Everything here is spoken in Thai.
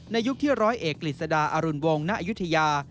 ยุคที่ร้อยเอกกฤษฎาอรุณวงศ์ณอายุทยา